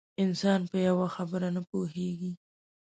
انسان په یوه خبره نه پوهېږي.